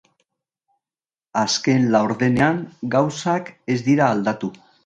Azken laurdenean gauzak ez dira aldatu.